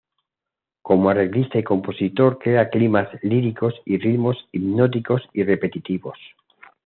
Como arreglista y compositor crea climas líricos y ritmos hipnóticos y repetitivos.